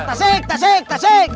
tasik tasik tasik